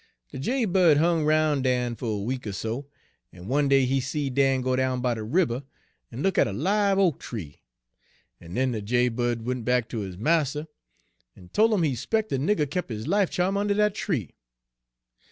De jay bird hung roun' Dan fer a week er so, en one day he seed Dan go down by de ribber en look at a live oak tree; en den de jay bird went back ter his marster, en tol' 'im he 'spec' de nigger kep' his life cha'm under dat tree.